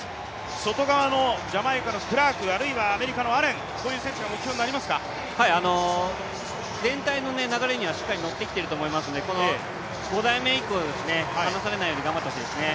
外側のジャマイカのクラーク、あるいはアメリカのアレン、全体の流れにはしっかり乗ってきていると思いますので５台目以降、話されないように頑張ってほしいですね。